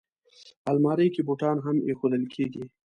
الماري کې بوټان هم ایښودل کېږي